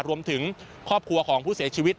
รวมถึงครอบครัวของผู้เสียชีวิต